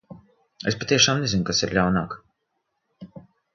Es patiešām nezinu, kas ir ļaunāk.